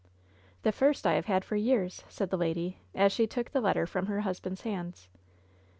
"The first I have had for years," said the lady, as she took the letter from her husband's hands.